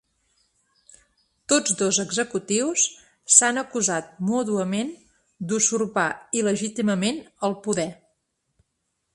Tots dos executius s’han acusat mútuament d’usurpar il·legítimament el poder.